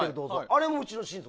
あれもうちの親族。